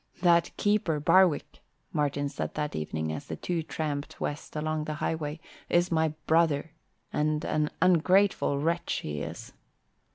"That keeper, Barwick," Martin said that evening as the two tramped west along the highway, "is my brother, and an ungrateful wretch he is."